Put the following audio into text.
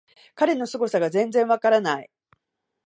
彼のすごさが全然わからない